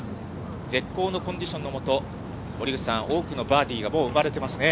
絶好のコンディションの下、森口さん、多くのバーディーがもう生まれてますね。